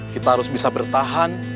kita harus bisa bertahan